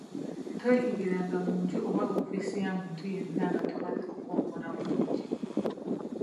Toyingiranga mu nju oba “office” ya muntu yenna nga tomaze kukonkona ku luggi.